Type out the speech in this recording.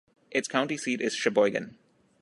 Its county seat is Sheboygan.